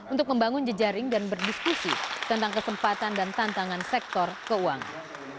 untuk membangun jejaring dan berdiskusi tentang kesempatan dan tantangan sektor keuangan